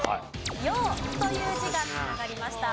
「洋」という字が繋がりました。